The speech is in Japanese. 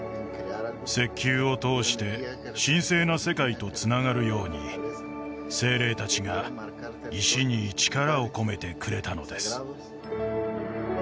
石球を通して神聖な世界とつながるように精霊達が石に力を込めてくれたのです